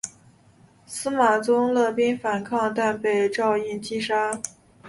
司马宗勒兵反抗但被赵胤击杀。